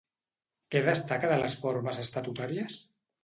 Què destaca de les formes estatutàries?